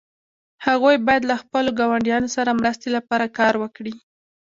هغوی باید له خپلو ګاونډیو سره مرستې لپاره کار وکړي.